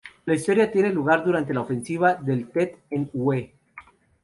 La historia tiene lugar durante la Ofensiva del Tet en Hue.